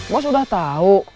lo sudah tahu